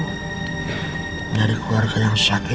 menjadi keluarga yang sakit